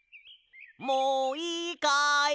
もういいかい？